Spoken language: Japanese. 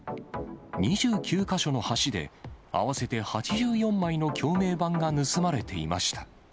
２９か所の橋で、合わせて８４枚の橋名板が盗まれていました。